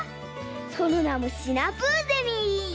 そのなもシナプーゼミ！